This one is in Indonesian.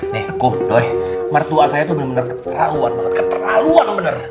nih kum doi mertua saya tuh bener bener keterlaluan banget keterlaluan bener